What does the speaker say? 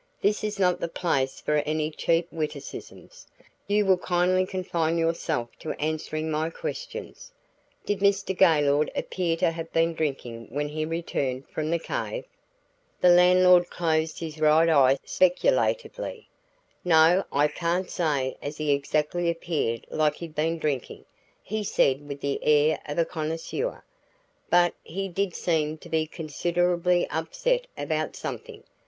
"This is not the place for any cheap witticisms; you will kindly confine yourself to answering my questions. Did Mr. Gaylord appear to have been drinking when he returned from the cave?" The landlord closed his right eye speculatively. "No, I can't say as he exactly appeared like he'd been drinking," he said with the air of a connoisseur, "but he did seem to be considerably upset about something.